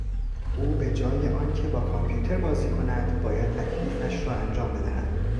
او به جای آن که با کامپیوتر بازی کند، باید تکلیفش را انجام بدهد.